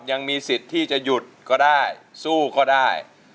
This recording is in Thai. ยังมีสิทธิ์ที่จะหยุดก็ได้สู้ก็ได้